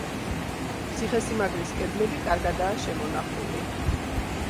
ციხესიმაგრის კედლები კარგადაა შემონახული.